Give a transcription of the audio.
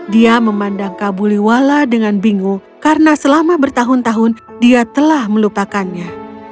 dia memandang kabuliwala dengan bingung karena selama bertahun tahun dia telah melupakannya